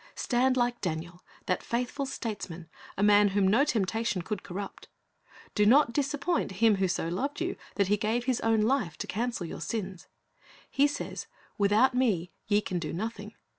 Stand like Daniel, that faithful statesman, a man whom no temptation could corrupt. Do not disappoint Him who so loved you that He gave His own life to cancel your sins. He says, "Without Me ye can do nothing."